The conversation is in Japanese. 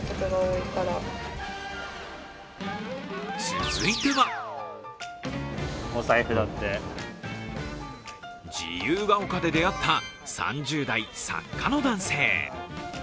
続いては自由が丘で出会った３０代、作家の男性。